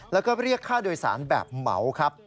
แล้วก็เรียกค่าโดยสารแบบเหมาครับ